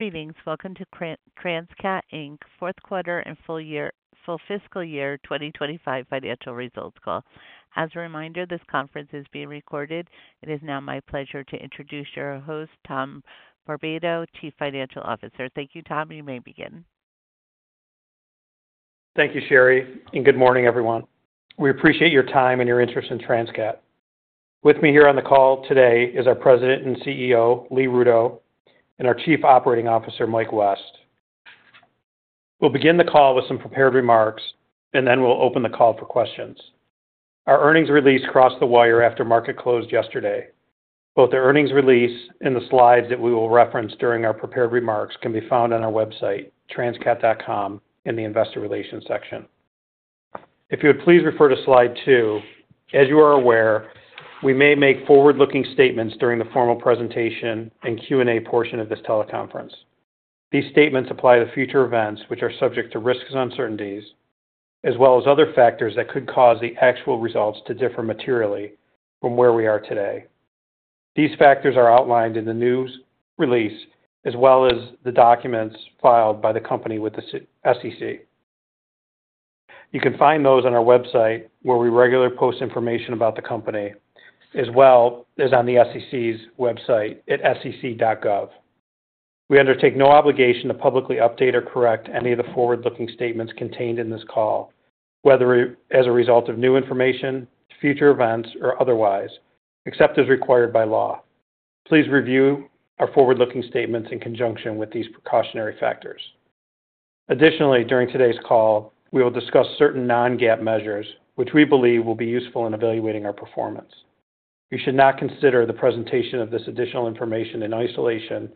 Greetings. Welcome to Transcat Fourth Quarter and Fiscal Year 2025 Financial Results Call. As a reminder, this conference is being recorded. It is now my pleasure to introduce your host, Tom Barbato, Chief Financial Officer. Thank you, Tom. You may begin. Thank you, Sherry, and good morning, everyone. We appreciate your time and your interest in Transcat. With me here on the call today is our President and CEO, Lee Rudow, and our Chief Operating Officer, Mike West. We'll begin the call with some prepared remarks, and then we'll open the call for questions. Our earnings release crossed the wire after market closed yesterday. Both the earnings release and the slides that we will reference during our prepared remarks can be found on our website, transcat.com, in the Investor Relations section. If you would please refer to slide two. As you are aware, we may make forward-looking statements during the formal presentation and Q&A portion of this teleconference. These statements apply to future events, which are subject to risks and uncertainties, as well as other factors that could cause the actual results to differ materially from where we are today. These factors are outlined in the news release, as well as the documents filed by the company with the SEC. You can find those on our website, where we regularly post information about the company, as well as on the SEC's website at sec.gov. We undertake no obligation to publicly update or correct any of the forward-looking statements contained in this call, whether as a result of new information, future events, or otherwise, except as required by law. Please review our forward-looking statements in conjunction with these precautionary factors. Additionally, during today's call, we will discuss certain non-GAAP measures, which we believe will be useful in evaluating our performance. You should not consider the presentation of this additional information in isolation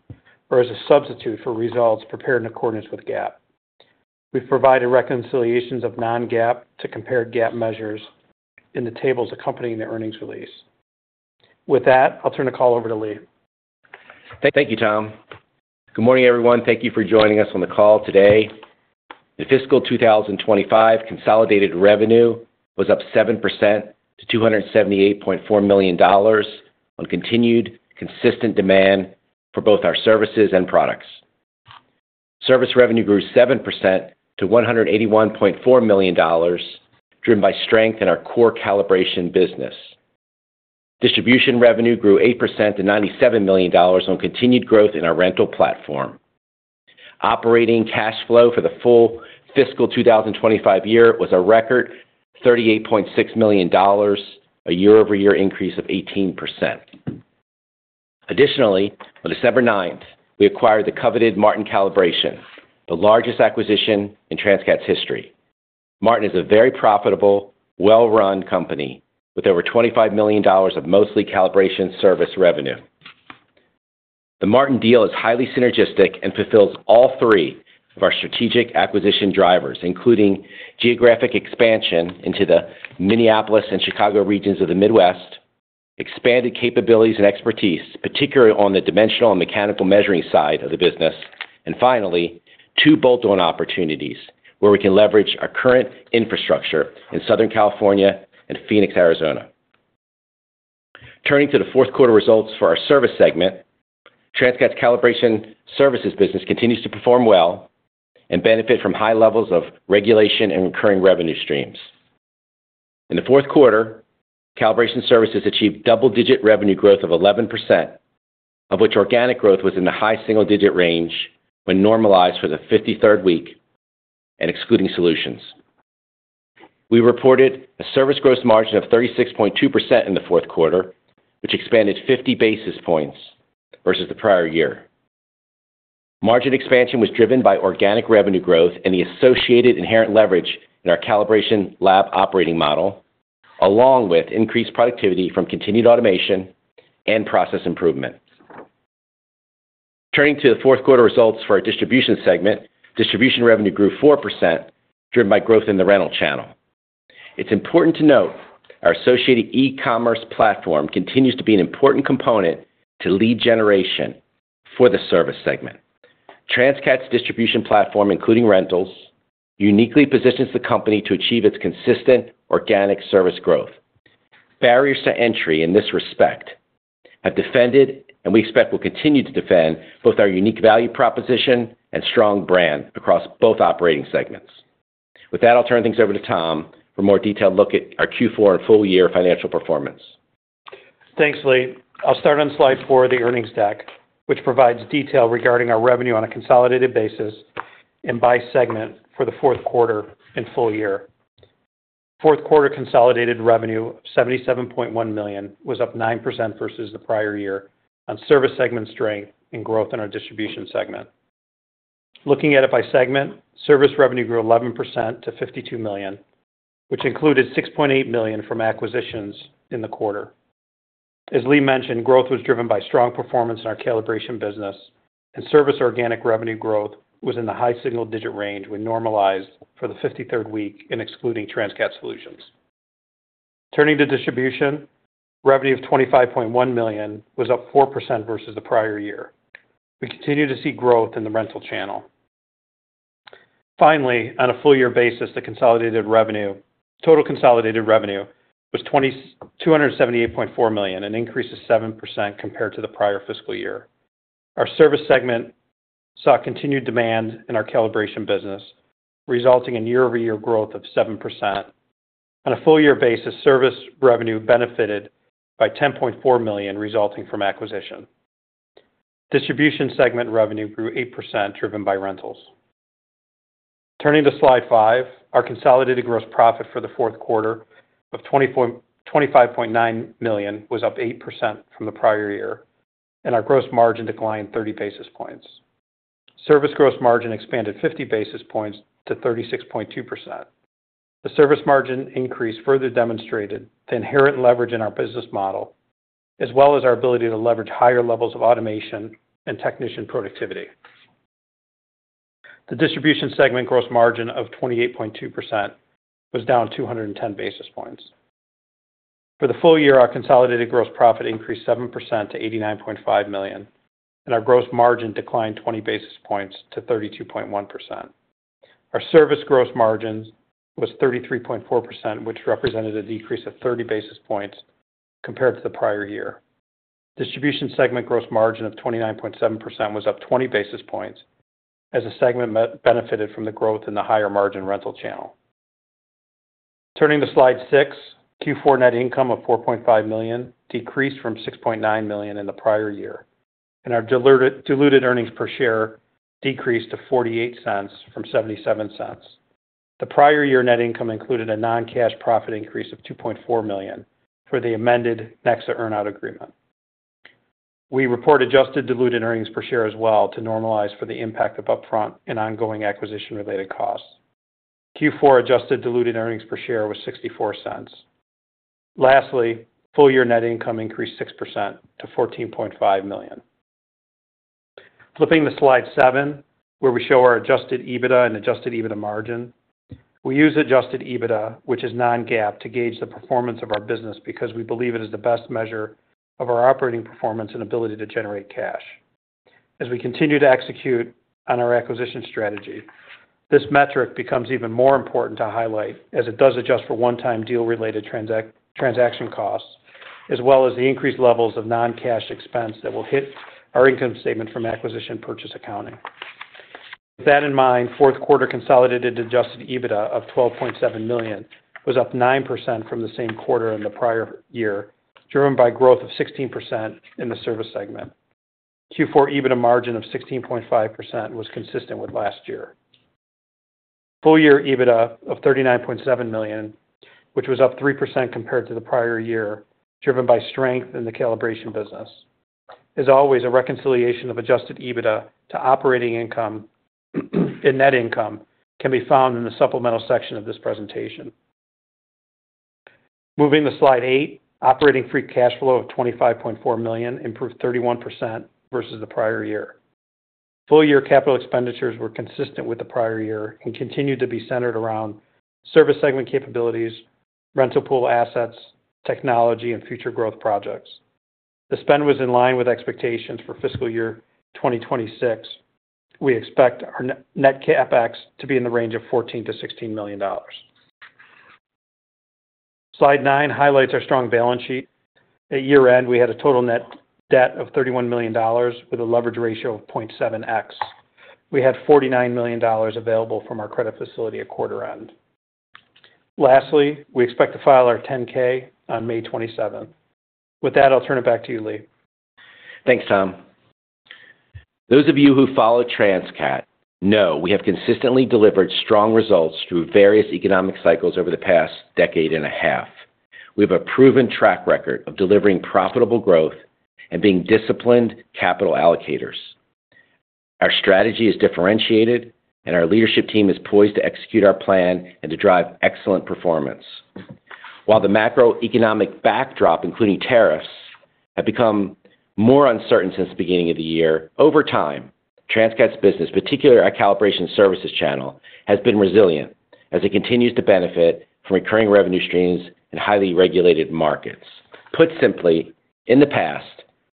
or as a substitute for results prepared in accordance with GAAP. We've provided reconciliations of non-GAAP to compared GAAP measures in the tables accompanying the earnings release. With that, I'll turn the call over to Lee. Thank you, Tom. Good morning, everyone. Thank you for joining us on the call today. The fiscal 2025 consolidated revenue was up 7% to $278.4 million on continued consistent demand for both our services and products. Service revenue grew 7% to $181.4 million, driven by strength in our core calibration business. Distribution revenue grew 8% to $97 million on continued growth in our rental platform. Operating cash flow for the full fiscal 2025 year was a record $38.6 million, a year-over-year increase of 18%. Additionally, on December 9th, we acquired the coveted Martin Calibration, the largest acquisition in Transcat's history. Martin is a very profitable, well-run company with over $25 million of mostly calibration service revenue. The Martin deal is highly synergistic and fulfills all three of our strategic acquisition drivers, including geographic expansion into the Minneapolis and Chicago regions of the Midwest, expanded capabilities and expertise, particularly on the dimensional and mechanical measuring side of the business, and finally, two bolt-on opportunities where we can leverage our current infrastructure in Southern California and Phoenix, Arizona. Turning to the fourth quarter results for our service segment, Transcat's calibration services business continues to perform well and benefit from high levels of regulation and recurring revenue streams. In the fourth quarter, calibration services achieved double-digit revenue growth of 11%, of which organic growth was in the high single-digit range when normalized for the 53rd week and excluding solutions. We reported a service gross margin of 36.2% in the fourth quarter, which expanded 50 basis points versus the prior year. Margin expansion was driven by organic revenue growth and the associated inherent leverage in our calibration lab operating model, along with increased productivity from continued automation and process improvement. Turning to the fourth quarter results for our distribution segment, distribution revenue grew 4%, driven by growth in the rental channel. It's important to note our associated e-commerce platform continues to be an important component to lead generation for the service segment. Transcat's distribution platform, including rentals, uniquely positions the company to achieve its consistent organic service growth. Barriers to entry in this respect have defended, and we expect will continue to defend both our unique value proposition and strong brand across both operating segments. With that, I'll turn things over to Tom for a more detailed look at our Q4 and full-year financial performance. Thanks, Lee. I'll start on slide four of the earnings deck, which provides detail regarding our revenue on a consolidated basis and by segment for the fourth quarter and full year. Fourth quarter consolidated revenue of $77.1 million was up 9% versus the prior year on service segment strength and growth in our distribution segment. Looking at it by segment, service revenue grew 11% to $52 million, which included $6.8 million from acquisitions in the quarter. As Lee mentioned, growth was driven by strong performance in our calibration business, and service organic revenue growth was in the high single-digit range when normalized for the 53rd week and excluding Transcat Solutions. Turning to distribution, revenue of $25.1 million was up 4% versus the prior year. We continue to see growth in the rental channel. Finally, on a full-year basis, the total consolidated revenue was $278.4 million, an increase of 7% compared to the prior fiscal year. Our service segment saw continued demand in our calibration business, resulting in year-over-year growth of 7%. On a full-year basis, service revenue benefited by $10.4 million, resulting from acquisition. Distribution segment revenue grew 8%, driven by rentals. Turning to slide five, our consolidated gross profit for the fourth quarter of $25.9 million was up 8% from the prior year, and our gross margin declined 30 basis points. Service gross margin expanded 50 basis points to 36.2%. The service margin increase further demonstrated the inherent leverage in our business model, as well as our ability to leverage higher levels of automation and technician productivity. The distribution segment gross margin of 28.2% was down 210 basis points. For the full year, our consolidated gross profit increased 7% to $89.5 million, and our gross margin declined 20 basis points to 32.1%. Our service gross margin was 33.4%, which represented a decrease of 30 basis points compared to the prior year. Distribution segment gross margin of 29.7% was up 20 basis points, as the segment benefited from the growth in the higher margin rental channel. Turning to slide six, Q4 net income of $4.5 million decreased from $6.9 million in the prior year, and our diluted earnings per share decreased to $0.48 from $0.77. The prior year net income included a non-cash profit increase of $2.4 million for the amended NEXA earn-out agreement. We report adjusted diluted earnings per share as well to normalize for the impact of upfront and ongoing acquisition-related costs. Q4 adjusted diluted earnings per share was $0.64. Lastly, full-year net income increased 6% to $14.5 million. Flipping to slide seven, where we show our adjusted EBITDA and adjusted EBITDA margin, we use adjusted EBITDA, which is non-GAAP, to gauge the performance of our business because we believe it is the best measure of our operating performance and ability to generate cash. As we continue to execute on our acquisition strategy, this metric becomes even more important to highlight, as it does adjust for one-time deal-related transaction costs, as well as the increased levels of non-cash expense that will hit our income statement from acquisition purchase accounting. With that in mind, fourth quarter consolidated adjusted EBITDA of $12.7 million was up 9% from the same quarter in the prior year, driven by growth of 16% in the service segment. Q4 EBITDA margin of 16.5% was consistent with last year. Full-year EBITDA of $39.7 million, which was up 3% compared to the prior year, driven by strength in the calibration business. As always, a reconciliation of adjusted EBITDA to operating income and net income can be found in the supplemental section of this presentation. Moving to slide eight, operating free cash flow of $25.4 million improved 31% versus the prior year. Full-year capital expenditures were consistent with the prior year and continued to be centered around service segment capabilities, rental pool assets, technology, and future growth projects. The spend was in line with expectations for fiscal year 2026. We expect our net capex to be in the range of $14-$16 million. Slide nine highlights our strong balance sheet. At year-end, we had a total net debt of $31 million with a leverage ratio of 0.7x. We had $49 million available from our credit facility at quarter-end. Lastly, we expect to file our 10-K on May 27. With that, I'll turn it back to you, Lee. Thanks, Tom. Those of you who follow Transcat know we have consistently delivered strong results through various economic cycles over the past decade and a half. We have a proven track record of delivering profitable growth and being disciplined capital allocators. Our strategy is differentiated, and our leadership team is poised to execute our plan and to drive excellent performance. While the macroeconomic backdrop, including tariffs, has become more uncertain since the beginning of the year, over time, Transcat's business, particularly our calibration services channel, has been resilient as it continues to benefit from recurring revenue streams and highly regulated markets. Put simply, in the past,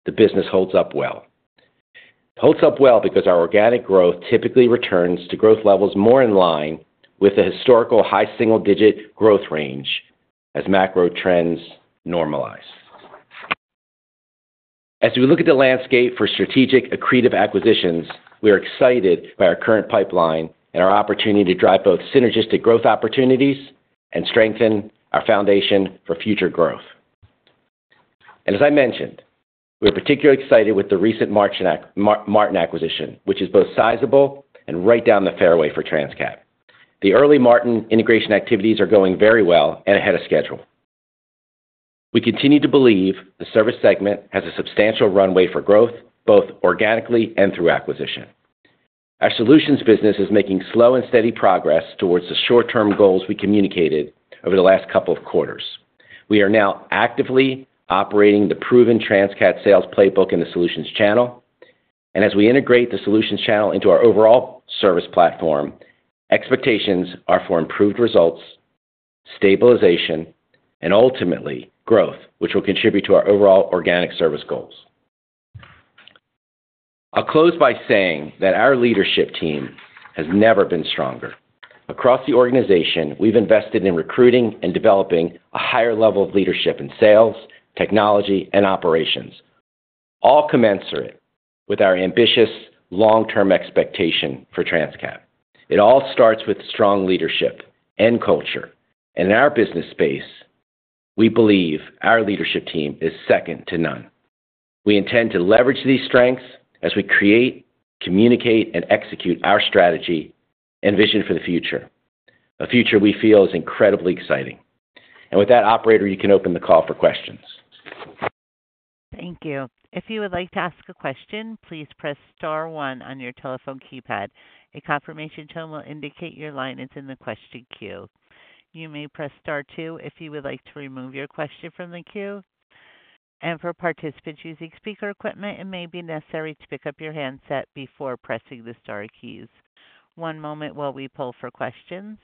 the business holds up well. It holds up well because our organic growth typically returns to growth levels more in line with the historical high single-digit growth range as macro trends normalize. As we look at the landscape for strategic accretive acquisitions, we are excited by our current pipeline and our opportunity to drive both synergistic growth opportunities and strengthen our foundation for future growth. As I mentioned, we are particularly excited with the recent Martin acquisition, which is both sizable and right down the fairway for Transcat. The early Martin integration activities are going very well and ahead of schedule. We continue to believe the service segment has a substantial runway for growth, both organically and through acquisition. Our solutions business is making slow and steady progress towards the short-term goals we communicated over the last couple of quarters. We are now actively operating the proven Transcat sales playbook in the solutions channel. As we integrate the solutions channel into our overall service platform, expectations are for improved results, stabilization, and ultimately growth, which will contribute to our overall organic service goals. I'll close by saying that our leadership team has never been stronger. Across the organization, we've invested in recruiting and developing a higher level of leadership in sales, technology, and operations, all commensurate with our ambitious long-term expectation for Transcat. It all starts with strong leadership and culture. In our business space, we believe our leadership team is second to none. We intend to leverage these strengths as we create, communicate, and execute our strategy and vision for the future, a future we feel is incredibly exciting. With that, operator, you can open the call for questions. Thank you. If you would like to ask a question, please press star one on your telephone keypad. A confirmation tone will indicate your line is in the question queue. You may press star two if you would like to remove your question from the queue. For participants using speaker equipment, it may be necessary to pick up your handset before pressing the star keys. One moment while we pull for questions.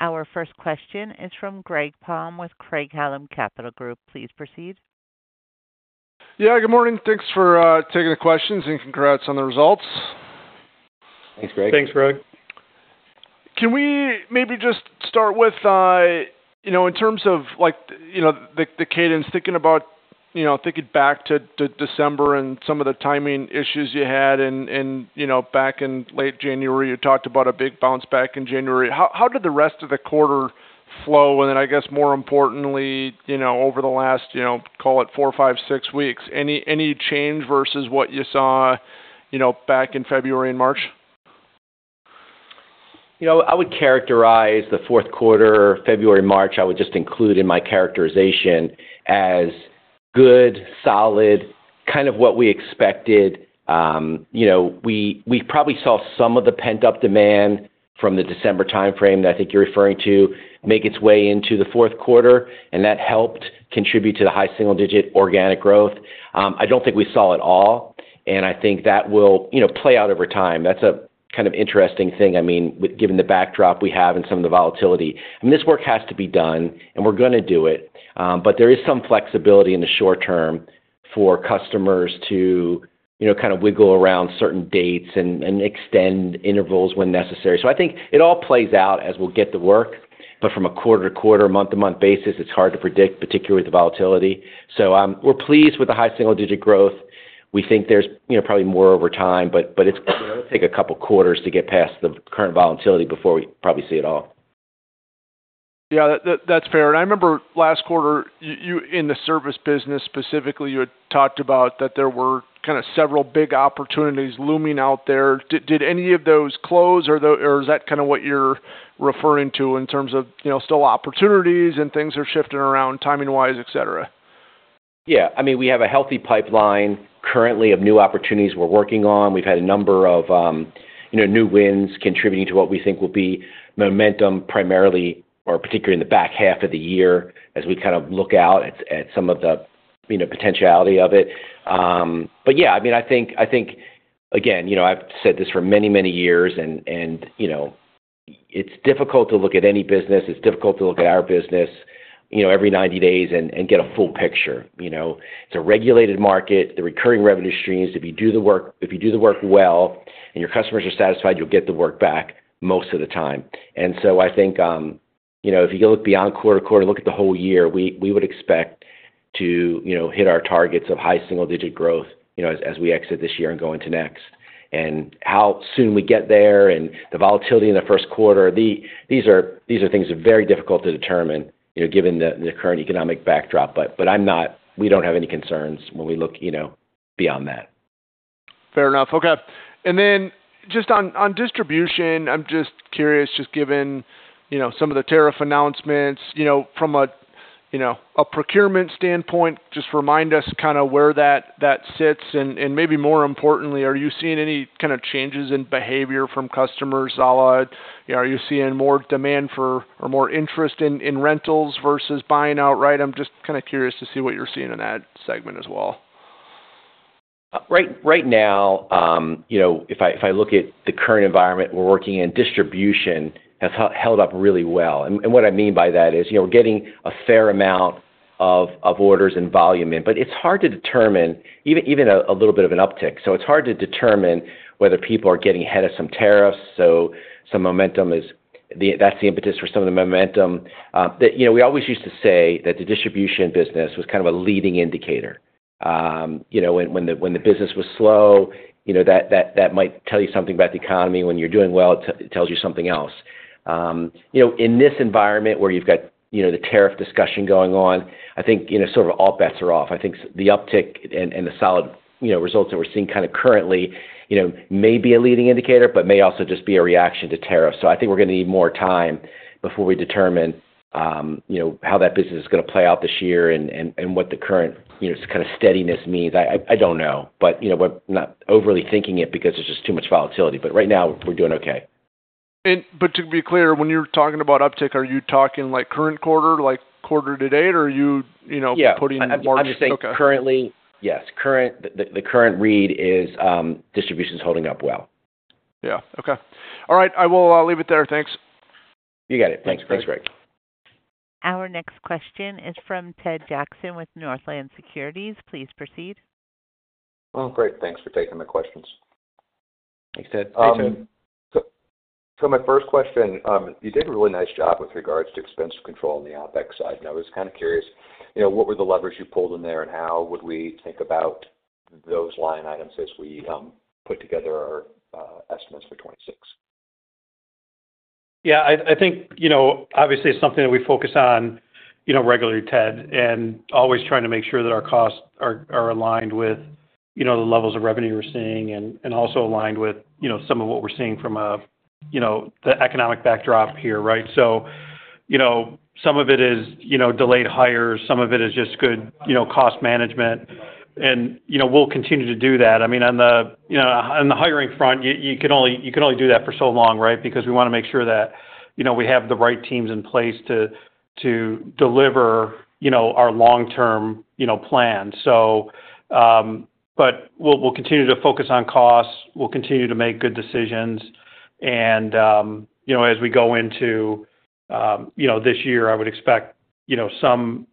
Our first question is from Greg Palm with Craig-Hallum Capital Group. Please proceed. Yeah, good morning. Thanks for taking the questions and congrats on the results. Thanks, Greg. Thanks, Greg. Can we maybe just start with, in terms of the cadence, thinking about thinking back to December and some of the timing issues you had, and back in late January, you talked about a big bounce back in January. How did the rest of the quarter flow? I guess, more importantly, over the last, call it four, five, six weeks, any change versus what you saw back in February and March? I would characterize the fourth quarter, February, March, I would just include in my characterization as good, solid, kind of what we expected. We probably saw some of the pent-up demand from the December timeframe that I think you're referring to make its way into the fourth quarter, and that helped contribute to the high single-digit organic growth. I don't think we saw it all, and I think that will play out over time. That's a kind of interesting thing, I mean, given the backdrop we have and some of the volatility. I mean, this work has to be done, and we're going to do it, but there is some flexibility in the short term for customers to kind of wiggle around certain dates and extend intervals when necessary. I think it all plays out as we'll get the work, but from a quarter-to-quarter, month-to-month basis, it's hard to predict, particularly with the volatility. We're pleased with the high single-digit growth. We think there's probably more over time, but it'll take a couple of quarters to get past the current volatility before we probably see it all. Yeah, that's fair. I remember last quarter, in the service business specifically, you had talked about that there were kind of several big opportunities looming out there. Did any of those close, or is that kind of what you're referring to in terms of still opportunities and things are shifting around timing-wise, etc.? Yeah. I mean, we have a healthy pipeline currently of new opportunities we're working on. We've had a number of new wins contributing to what we think will be momentum primarily, or particularly in the back half of the year, as we kind of look out at some of the potentiality of it. Yeah, I mean, I think, again, I've said this for many, many years, and it's difficult to look at any business. It's difficult to look at our business every 90 days and get a full picture. It's a regulated market. The recurring revenue streams, if you do the work, if you do the work well and your customers are satisfied, you'll get the work back most of the time. I think if you look beyond quarter to quarter, look at the whole year, we would expect to hit our targets of high single-digit growth as we exit this year and go into next. How soon we get there and the volatility in the first quarter, these are things very difficult to determine given the current economic backdrop, but we don't have any concerns when we look beyond that. Fair enough. Okay. Then just on distribution, I'm just curious, just given some of the tariff announcements, from a procurement standpoint, just remind us kind of where that sits. Maybe more importantly, are you seeing any kind of changes in behavior from customers? Are you seeing more demand for or more interest in rentals versus buying outright? I'm just kind of curious to see what you're seeing in that segment as well. Right now, if I look at the current environment, we're working in, distribution has held up really well. And what I mean by that is we're getting a fair amount of orders and volume in, but it's hard to determine, even a little bit of an uptick. So it's hard to determine whether people are getting ahead of some tariffs. So some momentum is, that's the impetus for some of the momentum. We always used to say that the distribution business was kind of a leading indicator. When the business was slow, that might tell you something about the economy. When you're doing well, it tells you something else. In this environment where you've got the tariff discussion going on, I think sort of all bets are off. I think the uptick and the solid results that we're seeing kind of currently may be a leading indicator, but may also just be a reaction to tariffs. I think we're going to need more time before we determine how that business is going to play out this year and what the current kind of steadiness means. I don't know, but I'm not overly thinking it because there's just too much volatility. Right now, we're doing okay. To be clear, when you're talking about uptick, are you talking current quarter, like quarter to date, or are you putting a margin? Yeah. I'm just saying currently, yes. The current read is distribution's holding up well. Yeah. Okay. All right. I will leave it there. Thanks. You got it. Thanks, Greg. Our next question is from Ted Jackson with Northland Securities. Please proceed. Great. Thanks for taking the questions. Thanks, Ted. My first question, you did a really nice job with regards to expense control on the OpEx side. I was kind of curious, what were the levers you pulled in there, and how would we think about those line items as we put together our estimates for 2026? Yeah. I think obviously it's something that we focus on regularly, Ted, and always trying to make sure that our costs are aligned with the levels of revenue we're seeing and also aligned with some of what we're seeing from the economic backdrop here, right? Some of it is delayed hires. Some of it is just good cost management. We'll continue to do that. I mean, on the hiring front, you can only do that for so long, right? We want to make sure that we have the right teams in place to deliver our long-term plan. We'll continue to focus on costs. We'll continue to make good decisions. As we go into this year, I would expect some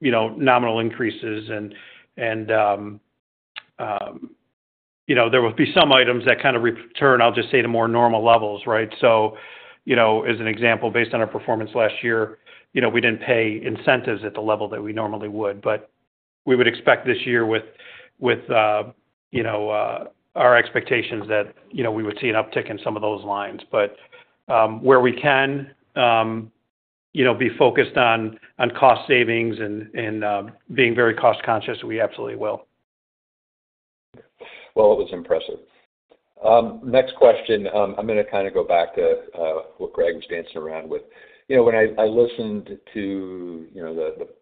nominal increases. There will be some items that kind of return, I'll just say, to more normal levels, right? As an example, based on our performance last year, we did not pay incentives at the level that we normally would. We would expect this year with our expectations that we would see an uptick in some of those lines. Where we can be focused on cost savings and being very cost-conscious, we absolutely will. It was impressive. Next question. I'm going to kind of go back to what Greg was dancing around with. When I listened to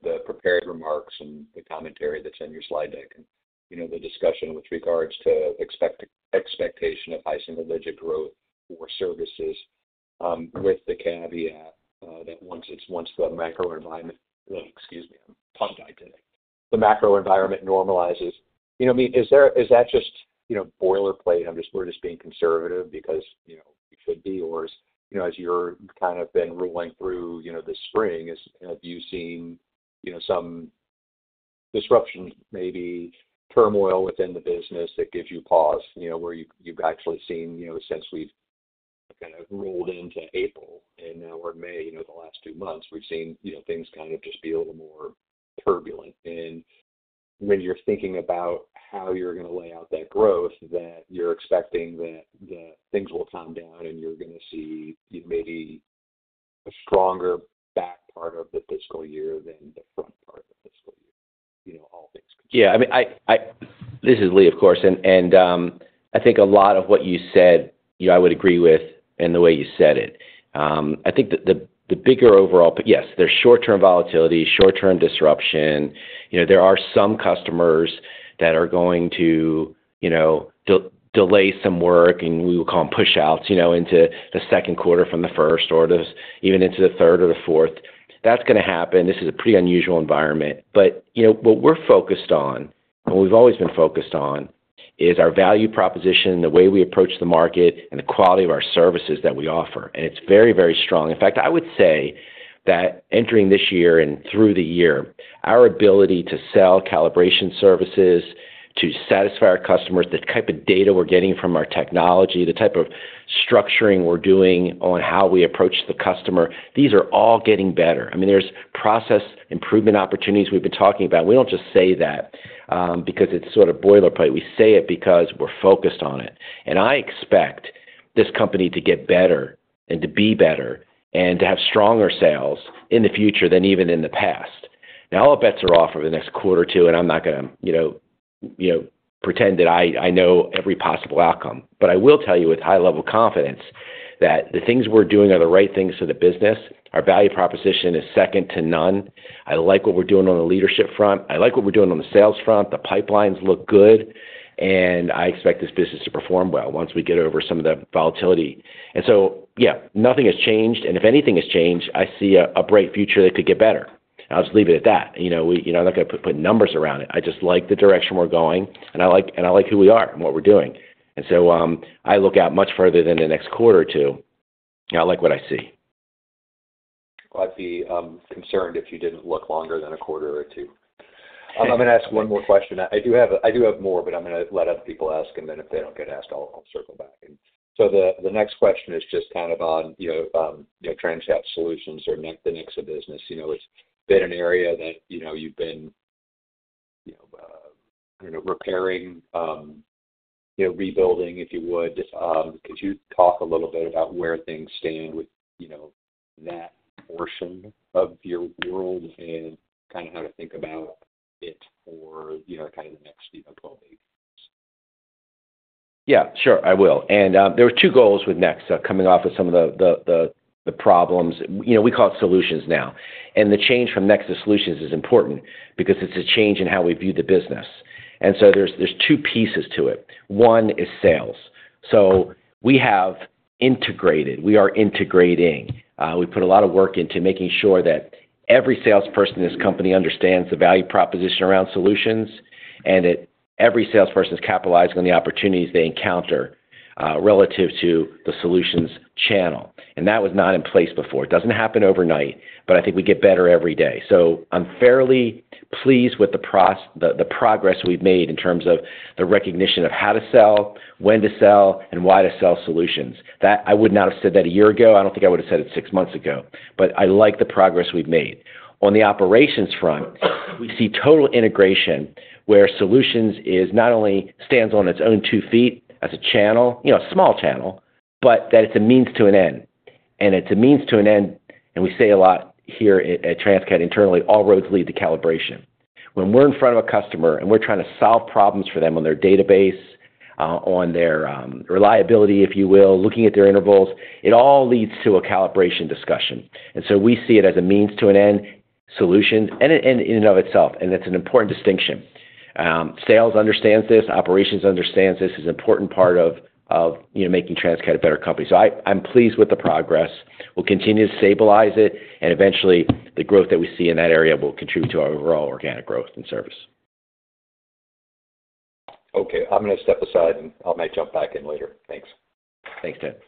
the prepared remarks and the commentary that's on your slide deck and the discussion with regards to expectation of high single-digit growth for services with the caveat that once the macro environment, excuse me, I'm tongue-tied today, the macro environment normalizes. I mean, is that just boilerplate? We're just being conservative because we should be? Or as you've kind of been rolling through this spring, have you seen some disruption, maybe turmoil within the business that gives you pause where you've actually seen since we've kind of rolled into April or May, the last two months, we've seen things kind of just be a little more turbulent? When you're thinking about how you're going to lay out that growth, that you're expecting that things will calm down and you're going to see maybe a stronger back part of the fiscal year than the front part of the fiscal year, all things considered? Yeah. I mean, this is Lee, of course. I think a lot of what you said, I would agree with in the way you said it. I think the bigger overall—yes, there is short-term volatility, short-term disruption. There are some customers that are going to delay some work, and we will call them push-outs into the second quarter from the first or even into the third or the fourth. That is going to happen. This is a pretty unusual environment. What we are focused on, and we have always been focused on, is our value proposition, the way we approach the market, and the quality of our services that we offer. It is very, very strong. In fact, I would say that entering this year and through the year, our ability to sell calibration services, to satisfy our customers, the type of data we're getting from our technology, the type of structuring we're doing on how we approach the customer, these are all getting better. I mean, there's process improvement opportunities we've been talking about. We don't just say that because it's sort of boilerplate. We say it because we're focused on it. I expect this company to get better and to be better and to have stronger sales in the future than even in the past. Now, all the bets are off over the next quarter or two, and I'm not going to pretend that I know every possible outcome. I will tell you with high-level confidence that the things we're doing are the right things for the business. Our value proposition is second to none. I like what we're doing on the leadership front. I like what we're doing on the sales front. The pipelines look good. I expect this business to perform well once we get over some of the volatility. Nothing has changed. If anything has changed, I see a bright future that could get better. I'll just leave it at that. I'm not going to put numbers around it. I just like the direction we're going, and I like who we are and what we're doing. I look out much further than the next quarter or two. I like what I see. Glad to be concerned if you did not look longer than a quarter or two. I'm going to ask one more question. I do have more, but I'm going to let other people ask. If they do not get asked, I'll circle back. The next question is just kind of on Transcat Solutions or the NEXA business. It's been an area that you've been, I do not know, repairing, rebuilding, if you would. Could you talk a little bit about where things stand with that portion of your world and kind of how to think about it for the next 12 to 18 months? Yeah. Sure. I will. There were two goals with NEXA coming off of some of the problems. We call it solutions now. The change from NEXA Solutions is important because it is a change in how we view the business. There are two pieces to it. One is sales. We have integrated. We are integrating. We put a lot of work into making sure that every salesperson in this company understands the value proposition around solutions and that every salesperson is capitalizing on the opportunities they encounter relative to the solutions channel. That was not in place before. It does not happen overnight, but I think we get better every day. I am fairly pleased with the progress we have made in terms of the recognition of how to sell, when to sell, and why to sell solutions. I would not have said that a year ago. I don't think I would have said it six months ago. I like the progress we've made. On the operations front, we see total integration where solutions not only stands on its own two feet as a channel, a small channel, but that it's a means to an end. It's a means to an end. We say a lot here at Transcat internally, all roads lead to calibration. When we're in front of a customer and we're trying to solve problems for them on their database, on their reliability, if you will, looking at their intervals, it all leads to a calibration discussion. We see it as a means to an end solution in and of itself. It's an important distinction. Sales understands this. Operations understands this. It's an important part of making Transcat a better company. I'm pleased with the progress. We'll continue to stabilize it. Eventually, the growth that we see in that area will contribute to our overall organic growth and service. Okay. I'm going to step aside, and I may jump back in later. Thanks. Thanks, Ted.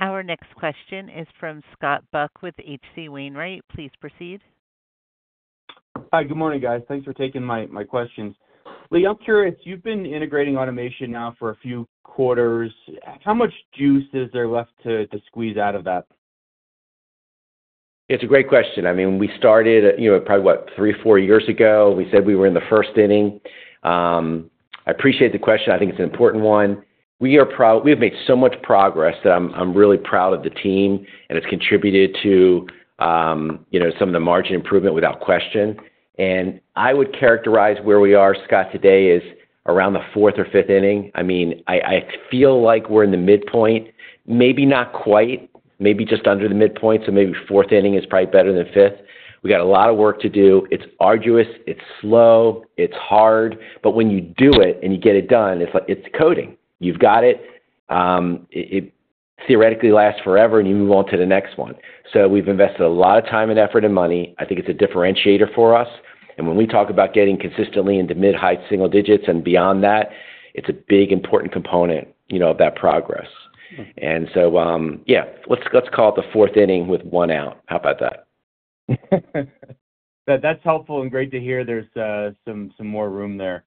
Our next question is from Scott Buck with H.C. Wainwright. Please proceed. Hi. Good morning, guys. Thanks for taking my questions. Lee, I'm curious. You've been integrating automation now for a few quarters. How much juice is there left to squeeze out of that? It's a great question. I mean, we started probably what, three, four years ago? We said we were in the first inning. I appreciate the question. I think it's an important one. We have made so much progress that I'm really proud of the team, and it's contributed to some of the margin improvement without question. I would characterize where we are, Scott, today as around the fourth or fifth inning. I mean, I feel like we're in the midpoint. Maybe not quite. Maybe just under the midpoint. So maybe fourth inning is probably better than fifth. We got a lot of work to do. It's arduous. It's slow. It's hard. When you do it and you get it done, it's coding. You've got it. It theoretically lasts forever, and you move on to the next one. We have invested a lot of time and effort and money. I think it's a differentiator for us. When we talk about getting consistently into mid-high single digits and beyond that, it's a big, important component of that progress. Yeah, let's call it the fourth inning with one out. How about that? That's helpful and great to hear. There's some more room there.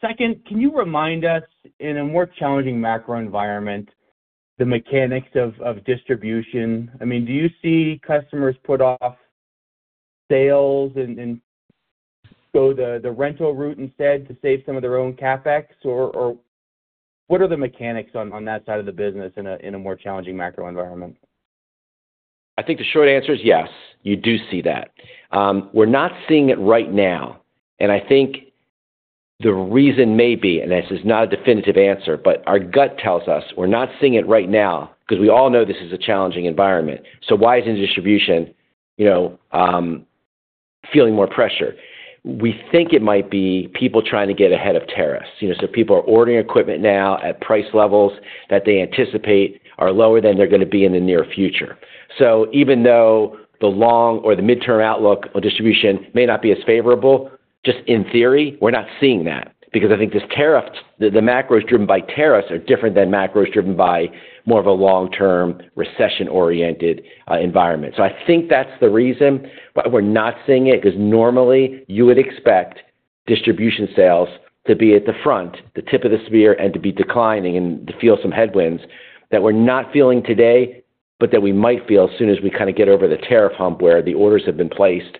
Second, can you remind us, in a more challenging macro environment, the mechanics of distribution? I mean, do you see customers put off sales and go the rental route instead to save some of their own CapEx? Or what are the mechanics on that side of the business in a more challenging macro environment? I think the short answer is yes. You do see that. We're not seeing it right now. I think the reason may be, and this is not a definitive answer, but our gut tells us we're not seeing it right now because we all know this is a challenging environment. Why isn't distribution feeling more pressure? We think it might be people trying to get ahead of tariffs. People are ordering equipment now at price levels that they anticipate are lower than they're going to be in the near future. Even though the long or the midterm outlook on distribution may not be as favorable, just in theory, we're not seeing that because I think this tariff, the macros driven by tariffs are different than macros driven by more of a long-term recession-oriented environment. I think that's the reason why we're not seeing it because normally, you would expect distribution sales to be at the front, the tip of the sphere, and to be declining and to feel some headwinds that we're not feeling today, but that we might feel as soon as we kind of get over the tariff hump where the orders have been placed,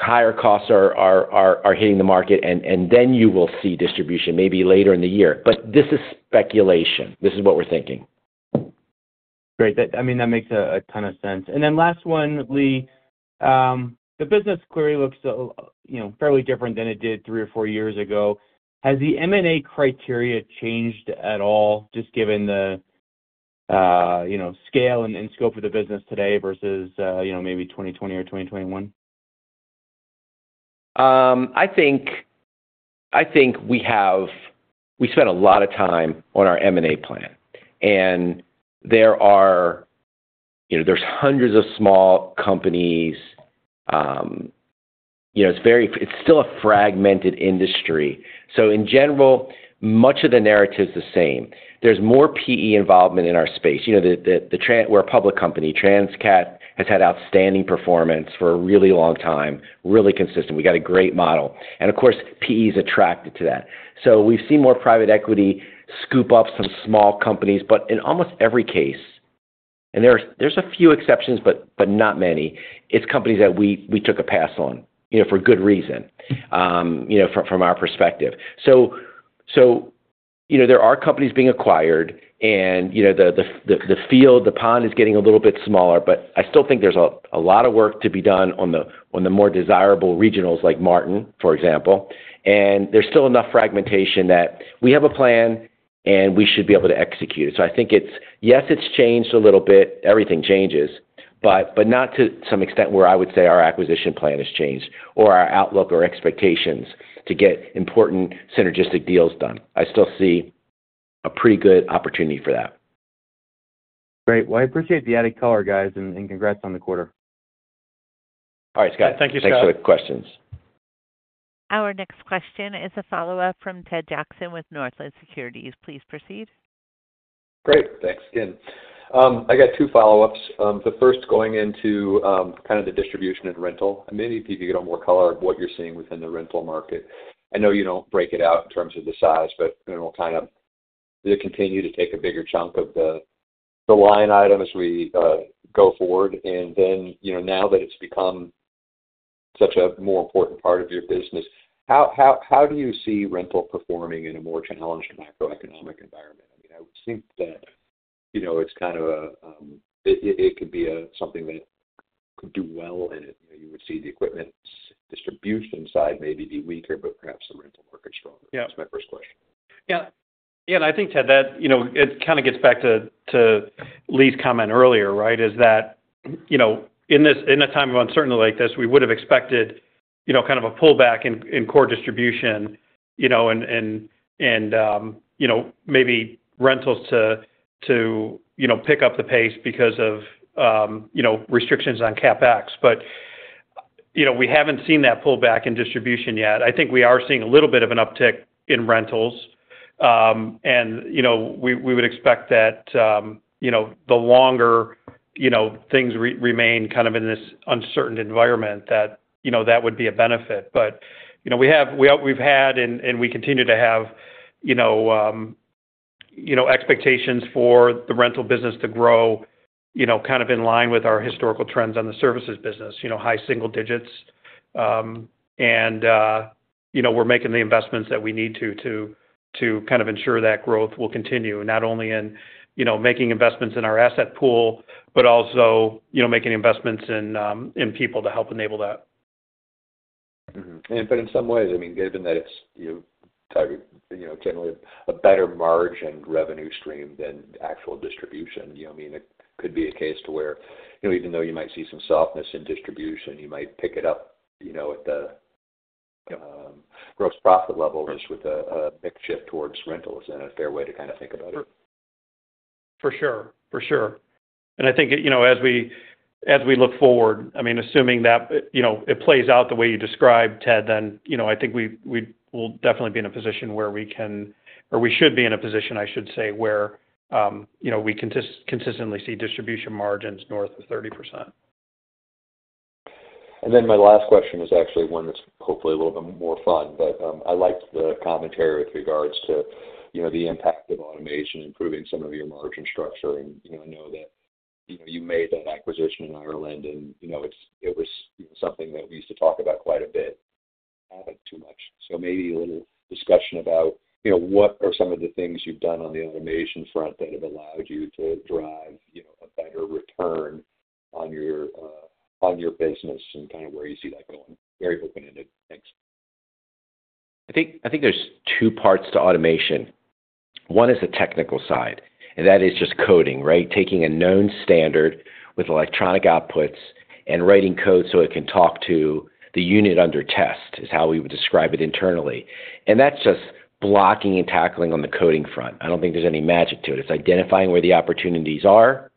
higher costs are hitting the market, and then you will see distribution maybe later in the year. This is speculation. This is what we're thinking. Great. I mean, that makes a ton of sense. Last one, Lee. The business clearly looks fairly different than it did three or four years ago. Has the M&A criteria changed at all, just given the scale and scope of the business today versus maybe 2020 or 2021? I think we spent a lot of time on our M&A plan. There are hundreds of small companies. It is still a fragmented industry. In general, much of the narrative is the same. There is more PE involvement in our space. We are a public company. Transcat has had outstanding performance for a really long time, really consistent. We have got a great model. Of course, PE is attracted to that. We have seen more private equity scoop up some small companies. In almost every case—and there are a few exceptions, but not many—it is companies that we took a pass on for good reason from our perspective. There are companies being acquired, and the field, the pond is getting a little bit smaller. I still think there is a lot of work to be done on the more desirable regionals like Martin, for example. There is still enough fragmentation that we have a plan, and we should be able to execute it. I think it has changed a little bit. Everything changes. Not to some extent where I would say our acquisition plan has changed or our outlook or expectations to get important synergistic deals done. I still see a pretty good opportunity for that. Great. I appreciate the added color, guys. Congrats on the quarter. All right. Scott. Thank you, Scott. Thanks for the questions. Our next question is a follow-up from Ted Jackson with Northland Securities. Please proceed. Great. Thanks again. I got two follow-ups. The first, going into kind of the distribution and rental. I mean, if you could get a little more color of what you're seeing within the rental market. I know you don't break it out in terms of the size, but we'll kind of continue to take a bigger chunk of the line item as we go forward. And then now that it's become such a more important part of your business, how do you see rental performing in a more challenged macroeconomic environment? I mean, I would think that it's kind of a—it could be something that could do well in it. You would see the equipment distribution side maybe be weaker, but perhaps the rental market stronger. That's my first question. Yeah. Yeah. I think, Ted, that kind of gets back to Lee's comment earlier, right, is that in a time of uncertainty like this, we would have expected kind of a pullback in core distribution and maybe rentals to pick up the pace because of restrictions on CapEx. We have not seen that pullback in distribution yet. I think we are seeing a little bit of an uptick in rentals. We would expect that the longer things remain kind of in this uncertain environment, that that would be a benefit. We have had, and we continue to have, expectations for the rental business to grow kind of in line with our historical trends on the services business, high single digits. We're making the investments that we need to to kind of ensure that growth will continue, not only in making investments in our asset pool, but also making investments in people to help enable that. In some ways, I mean, given that it's generally a better margin revenue stream than actual distribution, I mean, it could be a case to where even though you might see some softness in distribution, you might pick it up at the gross profit level just with a big shift towards rentals. Is that a fair way to kind of think about it? For sure. For sure. I think as we look forward, I mean, assuming that it plays out the way you described, Ted, I think we will definitely be in a position where we can—or we should be in a position, I should say, where we consistently see distribution margins north of 30%. My last question is actually one that's hopefully a little bit more fun. I liked the commentary with regards to the impact of automation improving some of your margin structure. I know that you made that acquisition in Ireland, and it was something that we used to talk about quite a bit. Not too much. Maybe a little discussion about what are some of the things you've done on the automation front that have allowed you to drive a better return on your business and kind of where you see that going. Very open-ended. Thanks. I think there's two parts to automation. One is the technical side. That is just coding, right? Taking a known standard with electronic outputs and writing code so it can talk to the unit under test is how we would describe it internally. That's just blocking and tackling on the coding front. I don't think there's any magic to it. It's identifying where the opportunities are.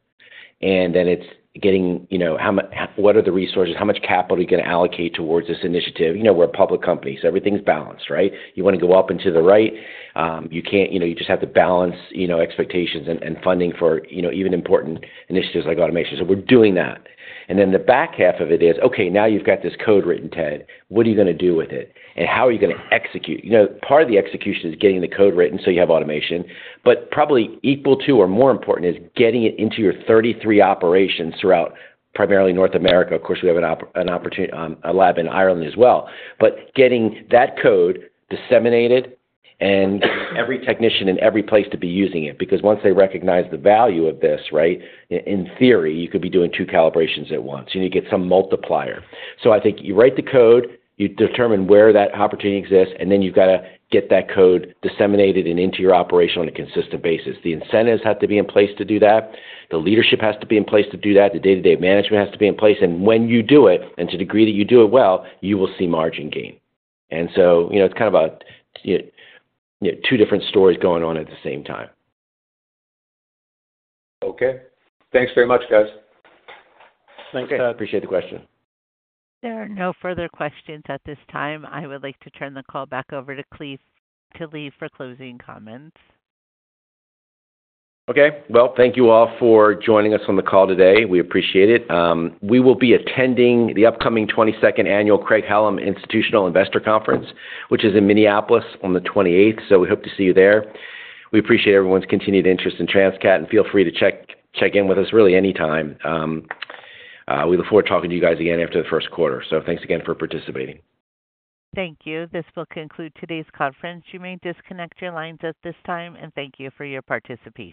Then it's getting—what are the resources? How much capital are you going to allocate towards this initiative? We're a public company. Everything's balanced, right? You want to go up and to the right. You just have to balance expectations and funding for even important initiatives like automation. We're doing that. The back half of it is, okay, now you've got this code written, Ted. What are you going to do with it? How are you going to execute? Part of the execution is getting the code written so you have automation. Probably equal to or more important is getting it into your 33 operations throughout primarily North America. Of course, we have a lab in Ireland as well. Getting that code disseminated and getting every technician in every place to be using it. Once they recognize the value of this, right, in theory, you could be doing two calibrations at once. You need to get some multiplier. I think you write the code, you determine where that opportunity exists, and then you have to get that code disseminated and into your operation on a consistent basis. The incentives have to be in place to do that. The leadership has to be in place to do that. The day-to-day management has to be in place. When you do it, and to the degree that you do it well, you will see margin gain. It is kind of two different stories going on at the same time. Okay. Thanks very much, guys. Thanks, Ted. Appreciate the question. There are no further questions at this time. I would like to turn the call back over to Lee for closing comments. Okay. Thank you all for joining us on the call today. We appreciate it. We will be attending the upcoming 22nd annual Craig-Hallum Institutional Investor Conference, which is in Minneapolis on the 28th. We hope to see you there. We appreciate everyone's continued interest in Transcat. Feel free to check in with us really anytime. We look forward to talking to you guys again after the first quarter. Thanks again for participating. Thank you. This will conclude today's conference. You may disconnect your lines at this time. Thank you for your participation.